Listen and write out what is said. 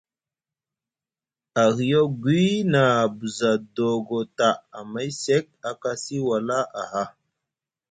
Ahiyagwi na buza doogo ta amay sek, a kasi wala aha.